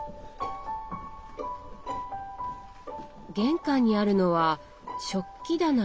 玄関にあるのは食器棚ですか？